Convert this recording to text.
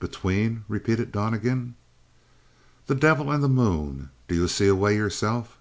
"Between " repeated Donnegan. "The devil and the moon. Do you see a way yourself?"